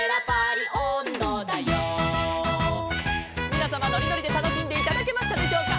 「みなさまのりのりでたのしんでいただけましたでしょうか」